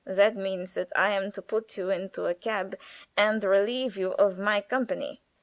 "That means that I am to put you into a cab and relieve you of my company."